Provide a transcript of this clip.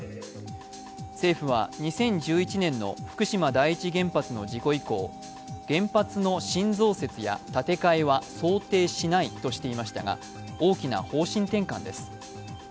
政府は２０１１年の福島第一原発の事故以降原発の新増設や建て替えは想定しないとしていましたが大きな方針転換です。